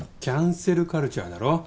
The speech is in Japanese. キャンセルカルチャーだろ。